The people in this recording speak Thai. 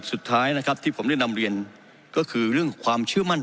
สุดท้ายนะครับที่ผมได้นำเรียนก็คือเรื่องความเชื่อมั่น